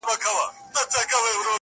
دلته هلته له خانانو سره جوړ وو-